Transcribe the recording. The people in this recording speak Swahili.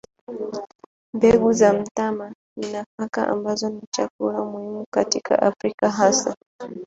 Mbegu za mtama ni nafaka ambazo ni chakula muhimu katika Afrika hasa.